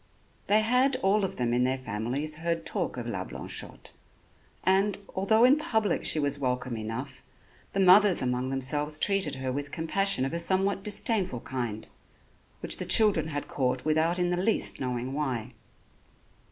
They had all of them in their families heard talk of La Blanchotte; and, although in public she was welcome enough, the mothers among themselves treated her with compassion of a somewhat disdainful kind, which the children had caught without in the least knowing why.